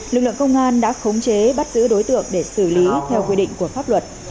lực lượng công an đã khống chế bắt giữ đối tượng để xử lý theo quy định của pháp luật